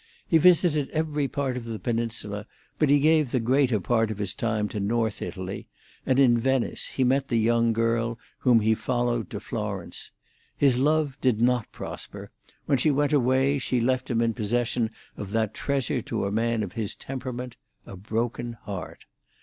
He visited every part of the peninsula, but he gave the greater part of his time to North Italy, and in Venice he met the young girl whom he followed to Florence. His love did not prosper; when she went away she left him in possession of that treasure to a man of his temperament, a broken heart.